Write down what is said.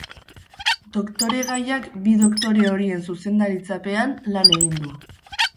Doktoregaiak bi doktore horien zuzendaritzapean lan egin du.